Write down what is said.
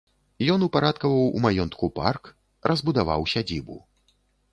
Ён упарадкаваў у маёнтку парк, разбудаваў сядзібу.